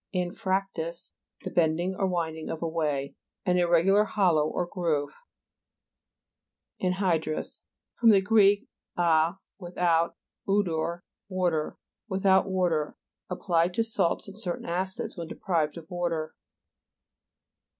anfrac tus, the bending or winding of a way. An irregular hollow or groove. ANGLE OF DIP. See p. 185. AN'HYDROUS fr. gr. a, without, udor, water. Without water. Ap plied to salts and certain acids when deprived of water.